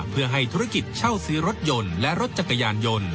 เพื่อให้ธุรกิจเช่าซื้อรถยนต์และรถจักรยานยนต์